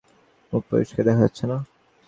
মুখ পরিষ্কার দেখা যাচ্ছে না।